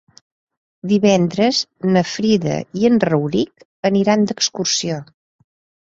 Divendres na Frida i en Rauric aniran d'excursió.